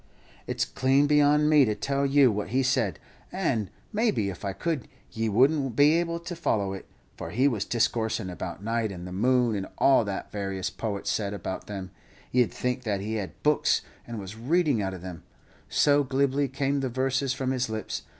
"It's clean beyond me to tell you what he said; and, maybe, if I could, ye would n't be able to follow it, for he was discoorsin' about night and the moon, and all that various poets said about them; ye'd think that he had books, and was reading out of them, so glibly came the verses from his lips.